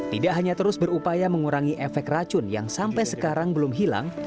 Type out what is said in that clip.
tidak hanya terus berupaya mengurangi efek racun yang sampai sekarang belum hilang